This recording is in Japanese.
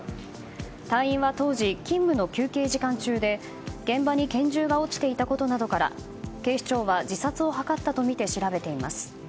隊員は当時、勤務の休憩時間中で現場に拳銃が落ちていたことなどから警視庁は自殺を図ったとみて調べています。